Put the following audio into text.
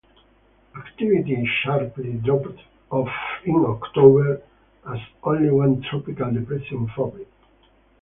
Activity sharply dropped off in October as only one tropical depression formed.